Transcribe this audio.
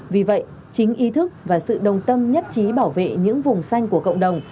vì vậy chính ý thức và sự đồng tâm nhất trí bảo vệ những vùng xanh của cộng đồng